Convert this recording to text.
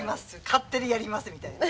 勝手にやります」みたいな。